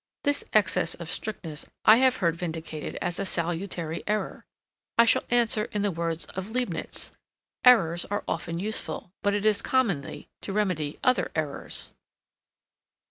This excess of strictness I have heard vindicated as a salutary error. I shall answer in the words of Leibnitz "Errors are often useful; but it is commonly to remedy other errors."